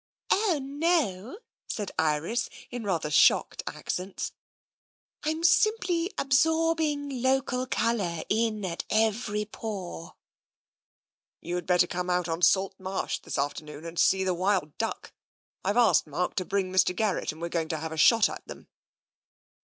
"" Oh, no," said Iris, in rather shocked accents. " I'm simply absorbing local colour in at every pore." " You'd better come out on Salt Marsh this after noon and see the wild duck. I've asked Mark to bring Mr. Garrett and we're going to have a shot at them."